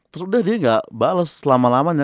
terus dia gak bales selama lamanya